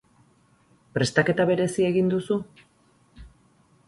Prestaketa berezia egin duzu?